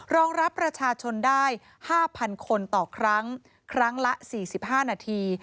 รองรับประชาชนได้๕๐๐๐คนต่อครั้งครั้งละ๔๕นาที